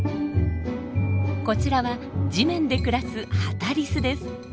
こちらは地面で暮らすハタリスです。